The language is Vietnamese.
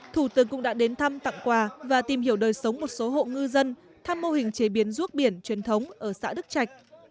thủ tướng cũng đã đến thăm tặng quà và tìm hiểu đời sống một số hộ ngư dân thăm mô hình chế biến ruốc biển truyền thống ở xã đức trạch